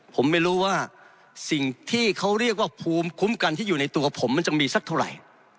ผมไม่รู้ว่าสิ่งที่เขาเรียกว่าภูมิคุ้มกันที่อยู่ในตัวผมมันจะมีสักเท่าไหร่